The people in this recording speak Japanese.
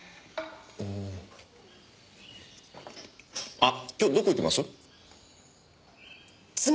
あっ今日どこ行きます？